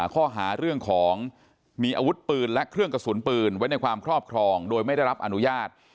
ข้อหาเรื่องของมีอาวุธปืนและเครื่องกระสุนปืนไว้ในความครอบครองโดยไม่ได้รับอนุญาต